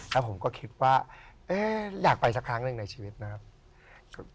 แล้วผมก็คิดว่าอยากไปสักครั้งหนึ่งในชีวิตนะครับ